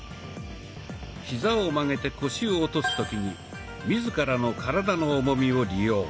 ヒザを曲げて腰を落とす時に自らの体の重みを利用。